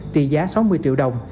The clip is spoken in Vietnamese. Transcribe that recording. trị giá sáu mươi triệu đồng